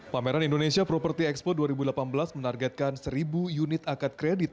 pameran indonesia property expo dua ribu delapan belas menargetkan seribu unit akad kredit